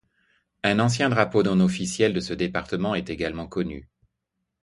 Un ancien drapeau non officiel de ce département est également connu.